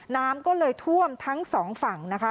น้ำก็เลยท่วมทั้งสองฝั่งนะคะ